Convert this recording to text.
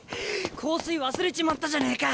香水忘れちまったじゃねえか！